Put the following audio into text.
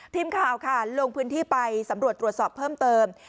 ทีมข่าวค่ะลงพื้นที่ไปสำรวจตรวจสอบเพิ่มเติม